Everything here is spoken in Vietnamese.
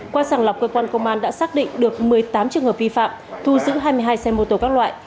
qua sàng lọc cơ quan công an đã xác định được một mươi tám trường hợp vi phạm thu giữ hai mươi hai xe mô tô các loại